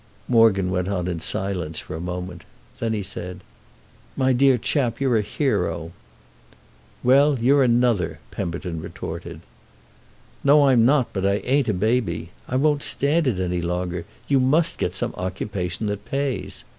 Morgan went on in silence for a moment. Then he said: "My dear chap, you're a hero!" "Well, you're another!" Pemberton retorted. "No I'm not, but I ain't a baby. I won't stand it any longer. You must get some occupation that pays.